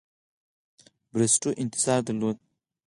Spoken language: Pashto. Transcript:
بریسټو انتظار درلود.